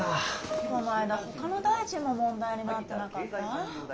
この間ほかの大臣も問題になってなかった？